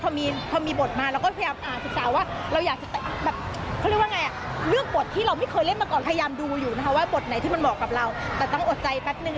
พอมีบทมาเราก็พยายามศึกษาว่า